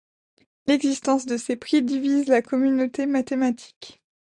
L'existence de ces prix divise la communauté mathématique.